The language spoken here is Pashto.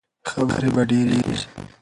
خبرې به ډېرې شي.